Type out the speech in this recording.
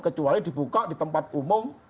kecuali dibuka di tempat umum